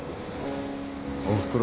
おふくろ